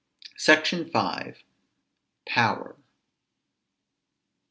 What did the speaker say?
SECTION V. POWER.